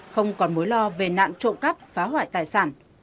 không còn mối lo về nạn trộm cắp phá hoại tài sản